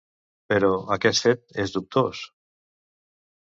Però, aquest fet és dubtós?